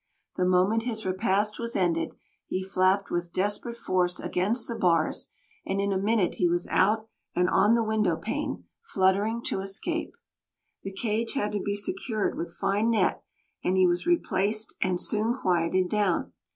The moment his repast was ended he flapped with desperate force against the bars, and in a minute he was out and on the window pane, fluttering to escape. The cage had to be secured with fine net, and he was replaced and soon quieted down.